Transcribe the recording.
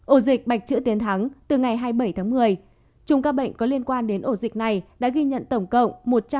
ổ dịch bạch chữ tiến thắng từ ngày hai mươi bảy tháng một mươi chung các bệnh có liên quan đến ổ dịch này đã ghi nhận tổng cộng